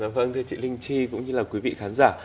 vâng thưa chị linh chi cũng như là quý vị khán giả